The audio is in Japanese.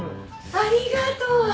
ありがとう！